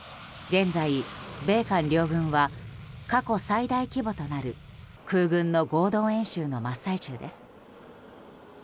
現在、米韓両軍は過去最大規模となる空軍の合同演習の真っ最中です。